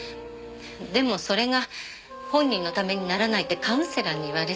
でもそれが本人のためにならないってカウンセラーに言われて。